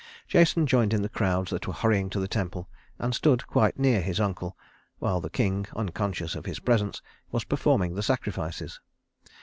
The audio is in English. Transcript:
Jason joined in the crowds that were hurrying to the temple, and stood quite near his uncle, while the king, unconscious of his presence, was performing the sacrifices.